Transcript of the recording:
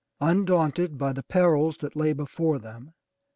Undaunted by the perils that lay before them.